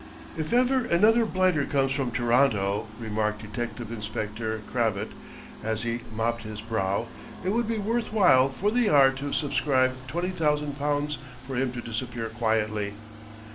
"If ever another blighter comes from Toronto," remarked Detective Inspector Crabbett, as he mopped his brow, "it would be worth while for the Yard to subscribe £20,000 for him to disappear quietly."